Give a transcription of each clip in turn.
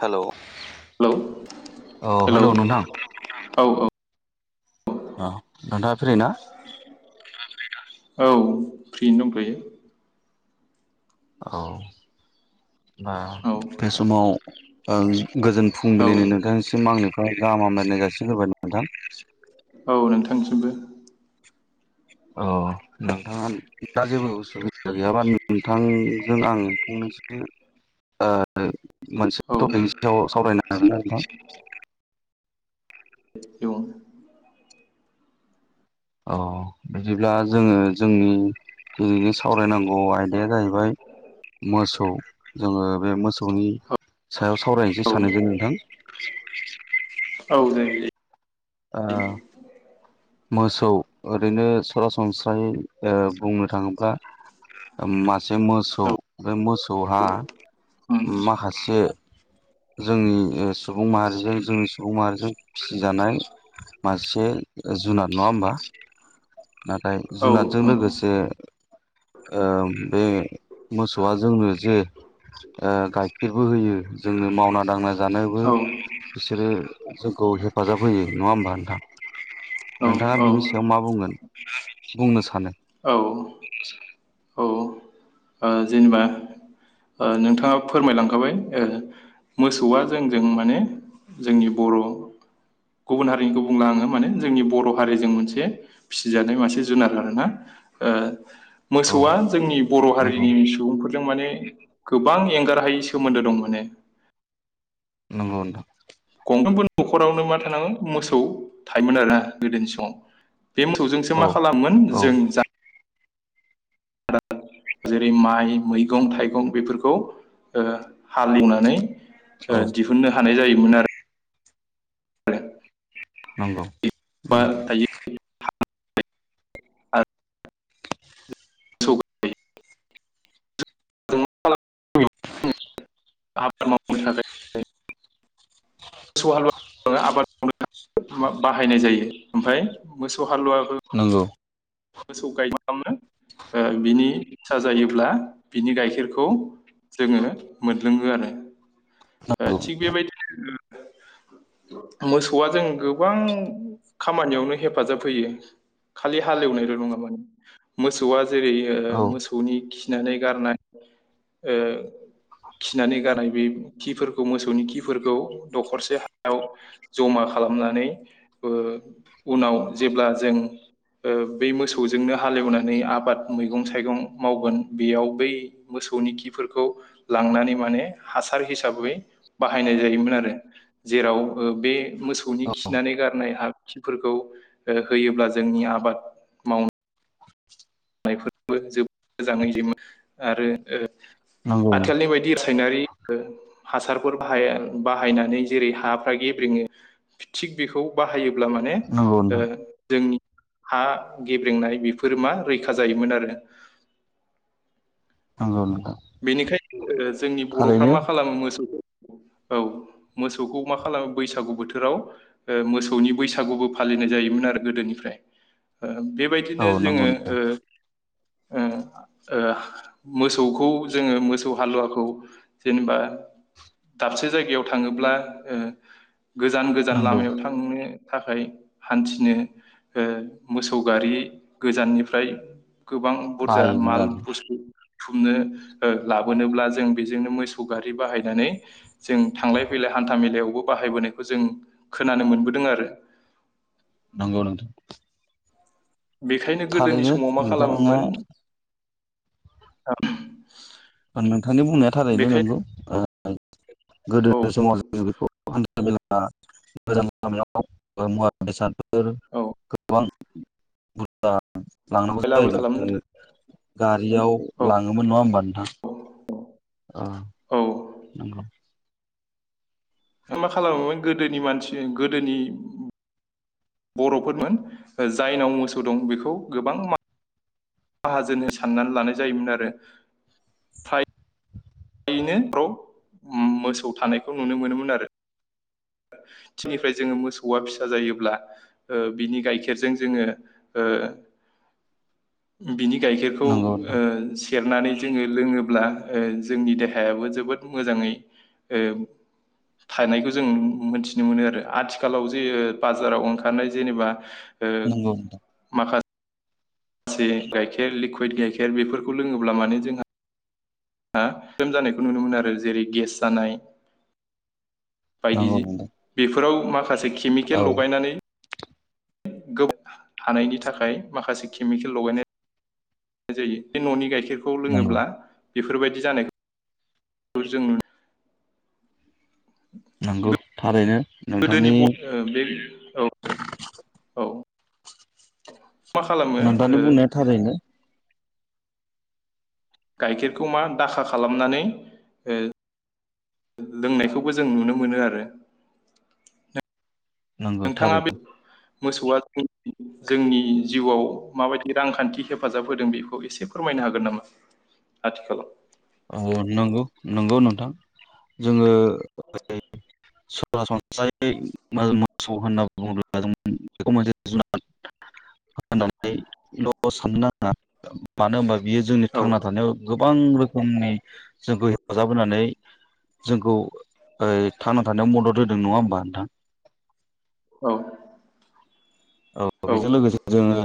Hello hello औ hello नोंथां औ औ औ नोंथाङा फ्रि ना औ फ्रिनो दंथयो औ हा औ बे समाव ओं गोजोन औ फुंबिलिनि नोंथांनिसिम आंनो ओमफ्राय गाहाम हामलायनाय जासिग्रोबाय न नोंथां औ नोंथांसिमबो अ नोंथाङा दा जेबो उसुबिदा गैयाबा नोंथांजों आं फंनैसो मोनसे औ टपिकनि सायाव सावरायनो हागोन नोंथां औ औ बिदिब्ला जोङो जोंनि दिनैनि सावरायनांगौ आयदाया जाहैबाय मोसौ जोङो बे मोसौनि सायाव सावरायनोसै औ सानैजों नोंथां औ दे ओ मोसौ ओरैनो सरासनस्रायै ओ बुंनो थाङोब्ला मासे मोसौ औ बे मोसौहा उम माखासे जोंनि सुबुं माहारिजों जोंनि सुबुं माहारिजों फिसिजानाय मासे जुनार नङा होमबा नाथाय औ नंगौ औ जुनादजों लोगोसे ओ बे मोसौआ जोंनो जे ओ गाइखेरबो होयो जोंनो मावना दांना जानायबो औ बिसोरो जोंखौ हेफाजाब होयो नङा होमबा नोंथां नोंथाङा बिनि सायाव मा बुंगोन बुंनो सानो औ ओ जेनेबा ओ नोंथाङा फोरमायलांखाबाय ओ मोसौआ जोंजों माने जोंनि बर' गुबुन हारिनिखौ बुंला आङो माने जोंनि बर' हारिजों मोनसे फिसिजानाय मासे जुनार आरोना औ मोसौआ जोंनि बर' नंगौ हारिनि फोरजों माने गोबां एंगार हायै सोमोन्दो दं माने नोंगौ नोंथां गंफ्रोमबो न'खरावनो मा थानाङो मोसौ थायोमोन आरोना गोदोनि समाव बे मोसौजोंसो औ मा खालामोन औ जों जा जेरै माइ मैगं थाइगं बेफोरखौ हालेवनानै ओ औ दिहुननो हानाय जायोमोन आरो नंगौ बा थायो [unintelligible] [unintelligible] [unintelligible] मोसौ हालु आबाद मावनो बाहायनाय जायो। ओमफ्राय मोसौ सौ हालुवाखो नंगौ मोसौ गाय खालामो बिनि फिसा जायोब्ला बिनि गाइखेरखौ जोङो मोनलोङो आरो थिग बेबायदिनो मोसौआ जों गोबां खामानियावनो हेफाजाब होयो खालि हालेवनाय मोसौ आ जेरै औ मोसौनि खिनानै गारनाय खिनानै गारनाय बे खिफोरखौ मोसौनि खिफोरखौ दखरसे हायाव जमा खालामनानै ओ उनाव जेब्ला जों ओम बै मोसौजोंनो हालेवनानै आबाद मैगं थाइगं मावगोन बेयाव बै मोसौनि खिफोरखौ लांनानै माने हासार हिसाबै बाहायनाय जायोमोन आरो जेराव बे मोसौनि औ खिनानै गारनाय हा खिफोरखौ होयोब्ला जोंनि आबाद मावन फोरबो जबोद मोजाङै जम आरो ओ। नंगौ आथिखालनि बायदि रासायनारि गो हासारफोर बाहायन बाहायनानै जेरै हाफ्रा गेब्रेङो थिग बेखौ बाहायोब्ला अब्ला माने नंगौ ओ नोंथां जोंनि हा गेब्रेंनाय बेफोर मा रैखा जायोमोन आरो। नोंगौ नोंथां। बेनिखायनो जोंनि बर'फ्रा थारैनो मा खालामो मोसौखौ औ मोसौखौ मा खालामो बैसागु बोथोराव मोसौनि बैसागुबो फालिनाय जायोमोन आरो गोदोनिफ्राय औ बेबायदिनो नंगौ जोङो नोंथां ओ ओ मोसौखौ जोङो मोसौ हालुवाखौ जेनेबा दाबसे जायगायाव थाङोब्ला। गोजान गोजान नंगौ लामायाव थांनो। थाखाय हान्थिनो मोसौ गारि गोजाननिफ्राय गोबां बुरजा बाहायोमोन माल आरो बुस्थु थुमनो लाबोनोब्ला जों बेजोंनो मोसौ गारि बाहायनानै जों थांलाय फैलाय हान्था मेलायावबो बाहायबोनायखौ जों खोनानो मोनबोदों आरो। नांगौ नोंथां। बेखायनो गोदोनि थारैनो समाव मा नोंथाङा खालामोमोन औ। नोंथांनि बुंनाया थारैनो नोंगौ। औ गोदोनि समाव जों बेखौ याव [unintelligible] मुवा बेसादफोर औ गोबां गुता लाबोल खालामनो [unintelligible] गारियाव औ लाङोमोन नङा होमबा नोंथां? ओ औ नंगौ मा खालामोमोन गोदोनि मानसि गोदोनि बर'फोरमोन जायनाव मोसौ दं बेखौ गोबां म माहाजोनो साननानै लानाय जायोमोन आरो फ्राय बेनोाव मोसौ थानायखौ नुनो मोनोमोन आरो थिनिफ्राय जोनि मोसौआ फिसा जायोब्ला ओ बिनि गाइखेरजों जोङो ओ बिनि गाइखेरखौ नंगौ ओ नोंथां सेरनानै जोङो लोङोब्ला ओ जोंनि देहायाबो जोबोद मोजाङै ओ थानायखौ जों मोनथिनो मोनो आरो आथिखालाव जे बाजाराव ओंखारनाय जेनेबा ओ नंगौ नोंथां माखा माखासे गाइखेर लिकुइड गाइखेर बेफोरखौ लोङोब्ला माने जोंहा ह लोम जानायखौ नुनो मोनो आरो जेरै गेस जानाय बायदि नंगौ नोंथां बेफोर बेफोराव मा माखासे केमिकेल औ लगायनानै गोबाव थानायनि थाखाय माखासे केमिकेल लगायनाय जायो बे न'नि गाइखेर गाइखेरखौ नंगौ लोङोब्ला बेफोरबायदि जानायखौ बेखौ जों नंगौ थारैनो गोदोनि नोंथांनि ब बे औ औ [inaudible] ओ नोंथानो बुंनाय थारैनो गाइखेरखौ मा दाखा खालामनानै ओ लोंनायखौबो जों नुनो मोनो आरो नंगौ नोंथाङा बे थारैनो मोसौआ जोंनि जिउआव माबायदि रांखान्थि हेफाजाब होदों बेखौ एसे फोरमायनो हागोन नामा आथिखालाव औ नंगौ नंगौ नोंथां जोङो [unintelligible] सरासनस्रायै मोसौ होनना बुङोब्ला जों बेखौ मोनसे जुनाद होननानैल' साननो नाङा मानो होनबा बियो जोंनि औ थांना थानायाव गोबां रोखोम जोंनि जोंखौ हेफाजाब होनानै ओ जोंखौ ओ थांना थानायाव मदद होदों नङा होमबा नोंथां औ औ बेजों लोगोसे जोङो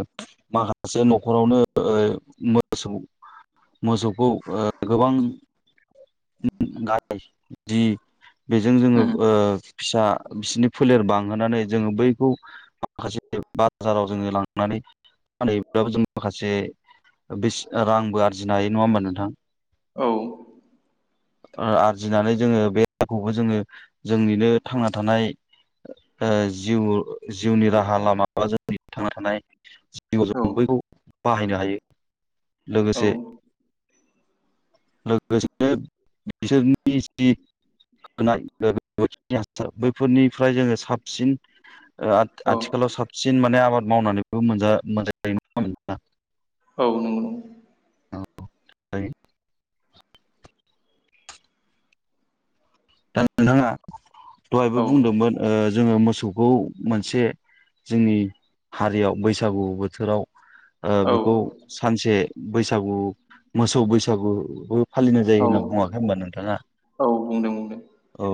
माखासे न'खरावनो ओइ मोसौ मोसौखौ ओ गोबां गाय जि बेजों जोङो ओ फिसा बिसिनि फोलेर बांहोनानै जोङो बैखौ माखासे बाजाराव जोङो लांनानै फानहैब्लाबो जों माखासे बेस रांबो आरजिनो हायो। नङा होमबा नोंथां? औ। ओ आरजिनानै जोङो बे रावखौबो जोङो जोंनिनो थांना थानाय ओ जिउ जिउनि रा हा लामा बा जोंनि थांना थानाय [inaudible] जों औ बैखौ बाहायनो हायो। औ लोगोसे लोगोसेनो बिसोरनि जि [inaudible] बैफोरनिफ्राय जोङो साबसिन ओ औ आथ-आथि साबसिन माने आबाद मावनानैबो मोनजा [inaudible] औ नंगौ नंगौ। [inaudible] दा नोंथाङा दहायबो बुंदोंमोन ओ जोङो मोसौखौ मोनसे जोंनि हारियाव बैसागु बोथोराव ओ औ बेखौ सानसे बैसागु मोसौ बैसागु फालिनाय जायो औ होनना बुङाखै होनबा नों? दाना औ बुंदों बुंदों औ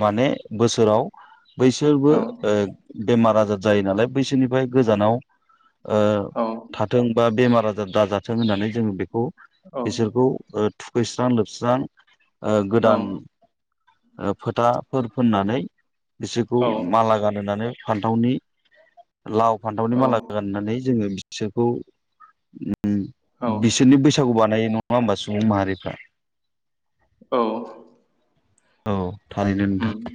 माने बोसोराव बैसोरबो औ ओ बेमार आजार जायो नालाय बैसोरनिफ्राय गोजानाव ओ औ थाथों बा बेमार आजार दाजाथों होननानै जों बेखौ औ बिसोरखौ ओ थुखैस्रां लोबस्रां ओ गोदान ओ फोथाफोर फोननानै बिसोरखौ औ माला गानहोनानै फान्थावनि लाव फान्थावनि माला गाननानै जोङो बिसोरखौ उम बिसोरनि बैसागु बानायो। नङा होमबा सुबुं माहारिफ्रा? औ। औ थारैनो उम नोंथां।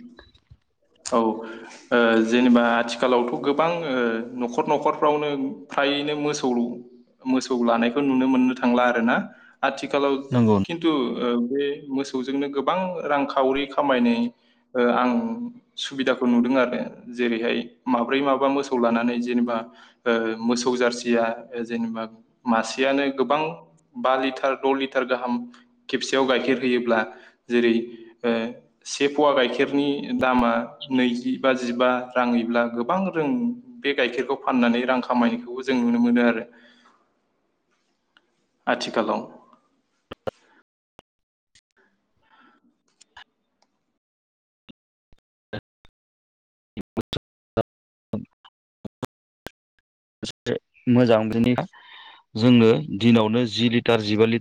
औ ओ जेनेबा आथिखालावथ' गोबां ओ न'खर न'खरफ्रावनो फ्रायैनो मोसौ मोसौ लानायखौ नुनो मोननो थांला आरोना। आथिखालाव नंगौ खिन्थु ओ बे मोसौजोंनो गोबां रांखावरि खामायनि ओ आं सुबिदाखौ नुदों आरो जेरैहाय माब्रै माबा मोसौ लानानै जेनेबा ओ मोसौ जारसिया जेनेबा मासेयानो गोबां बा लिटार द' लिटार गाहाम खेबसेयाव गाइखेर होयोब्ला जेरै ओ से पवा गाइखेरनि दामा नैजि बा जिबा राङैब्ला गोबां रों बे गाइखेरखौ फाननानै रां खामायनायखौबो जों नुनो मोनो आरो आथिखालाव। [inaudible] [inaudible] मोजां बिनिआ जोङो दिनावनो जि लिटार जिबा लिटा